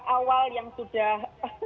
awal yang sudah